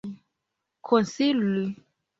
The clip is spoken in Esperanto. konsili